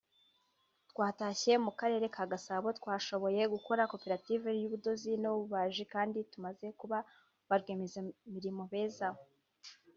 twatashye mu Karere ka Gasabo twashoboye gukora Koperative y’ubudozi no ububaji kandi tumaze kuba barwiyemezamirimo beza